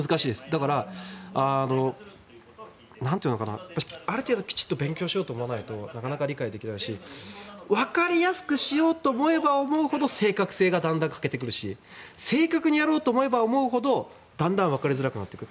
だから、ある程度きちんと勉強しようと思わないとなかなか理解できないしわかりやすくしようと思えば思うほど正確性がだんだん欠けてくるし正確にやろうと思えば思うほどだんだんわかりづらくなってくる。